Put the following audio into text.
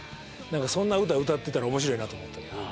そんな歌歌ってたら面白いなと思ったり。